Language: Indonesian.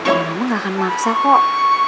ya mama enggak akan maksa kok